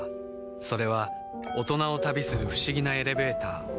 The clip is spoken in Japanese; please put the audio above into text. それは大人を旅する不思議なエレベーター